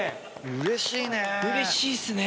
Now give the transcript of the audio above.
うれしいですね。